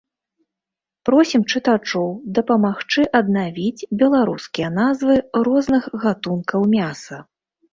Просім чытачоў дапамагчы аднавіць беларускія назвы розных гатункаў мяса.